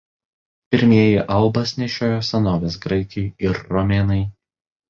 Pirmieji albas nešiojo senovės graikai ir romėnai.